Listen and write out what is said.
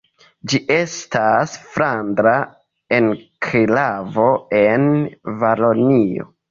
Ĝi estas flandra enklavo en Valonio.